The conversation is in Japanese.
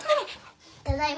ただいま。